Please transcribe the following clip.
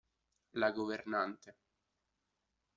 La governante